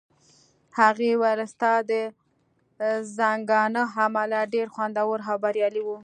هغې وویل: ستا د زنګانه عملیات ډېر خوندور او بریالي وو.